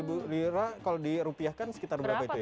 itu tiga ribu lira kalau dirupiahkan sekitar berapa itu ya